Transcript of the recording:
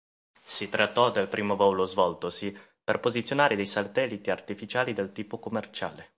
Si trattò del primo volo svoltosi per posizionare dei satelliti artificiali del tipo commerciale.